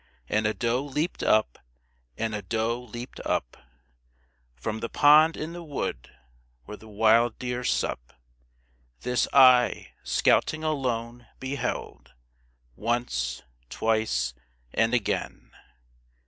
And a doe leaped up, and a doe leaped up From the pond in the wood where the wild deer sup. This I, scouting alone, beheld, Once, twice and again!